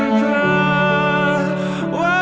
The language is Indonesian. walau tanpa kata